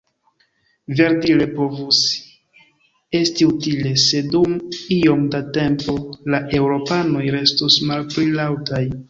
Verdire povus esti utile, se dum iom da tempo la eŭropanoj restus malpli laŭtaj.